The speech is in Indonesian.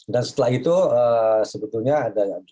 dan setelah itu sebetulnya ada